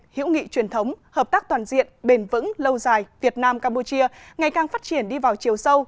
hiểu nghị truyền thống hợp tác toàn diện bền vững lâu dài việt nam campuchia ngày càng phát triển đi vào chiều sâu